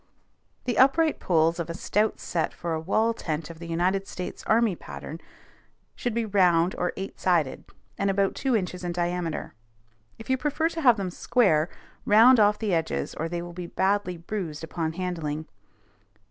The upright poles of a stout set for a wall tent of the United States Army pattern should be round or eight sided, and about two inches in diameter. If you prefer to have them square, round off the edges, or they will be badly bruised upon handling.